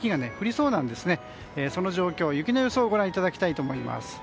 その状況、雪の予想をご覧いただきたいと思います。